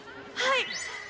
はい！